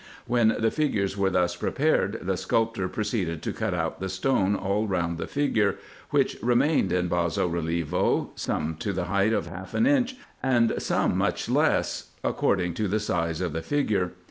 When the figures were thus prepared, the scidptor proceeded to cut out the stone all round the figure, which remained in basso relievo, some to the height of half an inch, and some much less, according to the size of the figure.